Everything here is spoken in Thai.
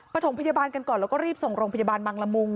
ถมพยาบาลกันก่อนแล้วก็รีบส่งโรงพยาบาลบังละมุง